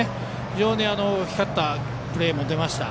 非常に光ったプレーも出ました。